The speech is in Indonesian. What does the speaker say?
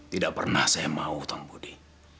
tidak pernah saya mau kang budi